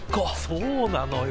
そうなのよ。